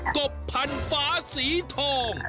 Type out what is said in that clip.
กบพันฟ้าสีทอง